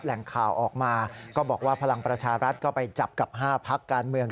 แหล่งข่าวออกมาก็บอกว่าพลังประชารัฐก็ไปจับกับ๕พักการเมือง